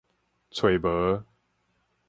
揣無